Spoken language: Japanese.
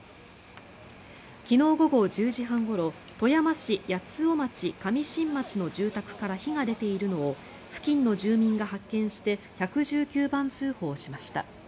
昨日午後１０時半ごろ富山市八尾町上新町の住宅から火が出ているのを付近の住民が発見して１１９番通報しました。